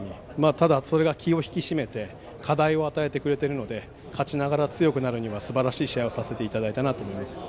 ただ、それが気を引き締めて課題を与えてくれているので勝ちながら強くなるにはすばらしい試合をさせていただいたと思います。